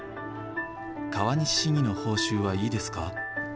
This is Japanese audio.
川西市議の報酬はいいですか？